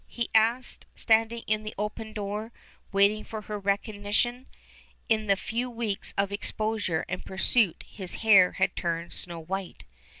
he asked, standing in the open door, waiting for her recognition. In the few weeks of exposure and pursuit his hair had turned snow white.